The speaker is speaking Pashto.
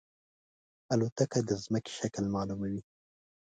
الوتکه د زمکې شکل معلوموي.